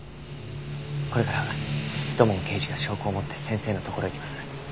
これから土門刑事が証拠を持って先生のところへ行きます。